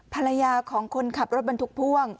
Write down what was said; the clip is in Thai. ภรรยาของคนขับรถบรรทุกพ่วง